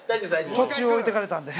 途中置いてかれたんで。